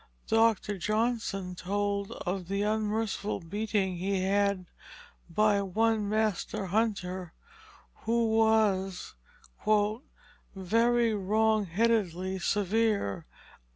Dr. Johnson told of the unmerciful beating he had by one Master Hunter, who was "very wrong headedly severe."